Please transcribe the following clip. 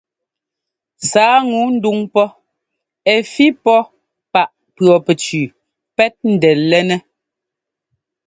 Sǎa ŋu ndúŋ pɔ́ ɛ́ fí pɔ́ páꞌ pʉɔpɛcʉʉ pɛ́t ńdɛ́lɛ́nɛ́.